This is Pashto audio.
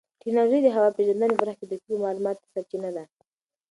ټیکنالوژي د هوا پېژندنې په برخه کې د دقیقو معلوماتو سرچینه ده.